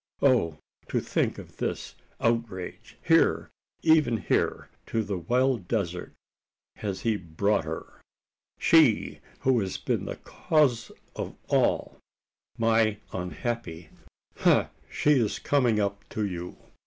Oh! to think of this outrage! Here even here to the wild desert has he brought her; she who has been the cause of all, my unhappy Ha! she is coming up to you!